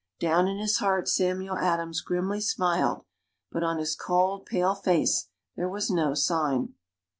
Down in his heart Samuel Adams grimly smiled, but on his cold, pale face there was no sign.